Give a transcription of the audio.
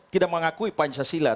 tidak mengakui pancasila